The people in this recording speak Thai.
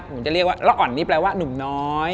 ผมจะเรียกว่าละอ่อนนี่แปลว่าหนุ่มน้อย